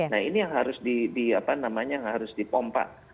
nah ini yang harus dipompak